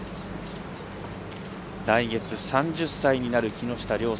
来月、３０歳になる木下稜介。